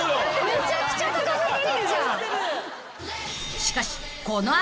めちゃくちゃ高ぶってんじゃん。